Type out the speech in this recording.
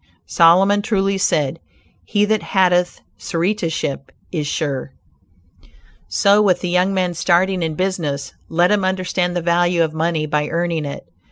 Solomon truly said "he that hateth suretiship is sure." So with the young man starting in business; let him understand the value of money by earning it.